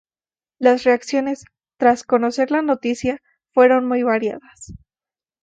Las reacciones tras conocer la noticia fueron muy variadas.